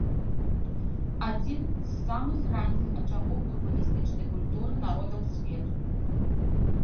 Адзін з самых ранніх ачагоў урбаністычнай культуры народаў свету.